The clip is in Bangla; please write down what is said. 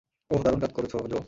ওহ, দারুণ কাজ করেছো, জো।